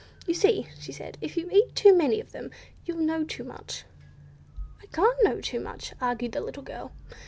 "You see," she said, "if you eat too many of them, you'll know too much." "One can't know too much," argued the little girl.